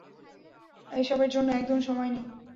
এসবের জন্য একদম সময় নেই।